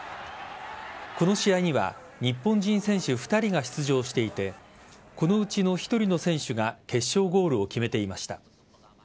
この試合には日本人選手２人が出場していてこのうちの１人の選手が決勝ゴールを決めていました。